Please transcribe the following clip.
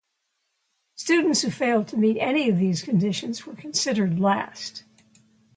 Students who failed to meet any of these conditions were considered last.